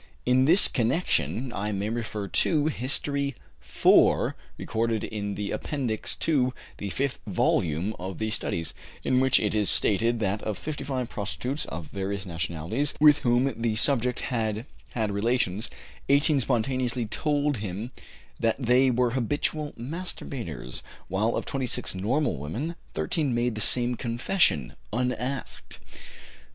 In this connection, I may refer to History IV, recorded in the Appendix to the fifth volume of these Studies, in which it is stated that of 55 prostitutes of various nationalities, with whom the subject had had relations, 18 spontaneously told him that they were habitual masturbators, while of 26 normal women, 13 made the same confession, unasked.